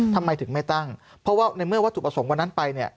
ทำไมถึงไม่ตั้งเพราะว่าในเมื่อวัตถุประสงค์วันนั้นไปเนี่ย